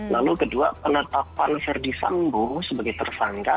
lalu kedua penetapan verdi sambo sebagai tersangka